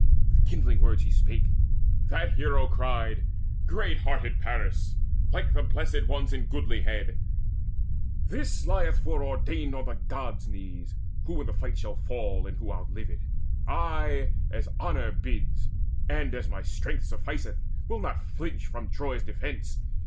With kindling words he spake. That hero cried: "Great hearted Paris, like the Blessed Ones In goodlihead, this lieth foreordained On the Gods' knees, who in the fight shall fall, And who outlive it. I, as honour bids, And as my strength sufficeth, will not flinch From Troy's defence.